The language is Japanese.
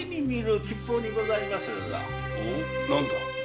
何だ？